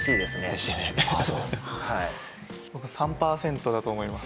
嬉しいね僕３％だと思います